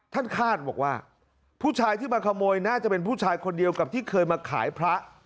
คาดบอกว่าผู้ชายที่มาขโมยน่าจะเป็นผู้ชายคนเดียวกับที่เคยมาขายพระ